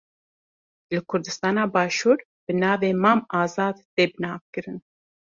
Li Kurdistana başûr bi navê Mam Azad tê bi nav kirin.